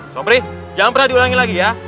sopri jangan pernah diulangi lagi ya